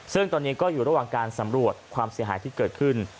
ซึ่งตอนนี้ก็อยู่ระหว่างการสำรวจความเสียหายที่เกิดขึ้น